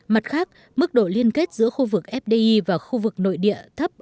mặt khác mức độ liên kết giữa khu vực fdi và khu vực nội địa thấp